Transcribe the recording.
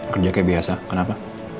kerja kayak biasa kenapa